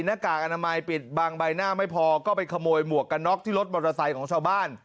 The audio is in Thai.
หน้ากากอนามัยปิดบางใบหน้าไม่พอก็ไปขโมยหมวกกันน็อกที่รถมอเตอร์ไซค์ของชาวบ้าน